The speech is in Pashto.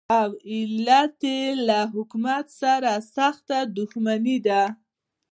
او علت یې له حکومت سره سخته دښمني ده.